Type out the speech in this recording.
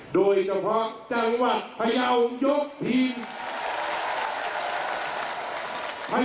โดยเฉพาะจังหวัดพยาวยกทีม